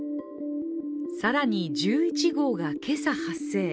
更に、１１号が今朝発生。